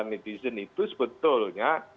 netizen itu sebetulnya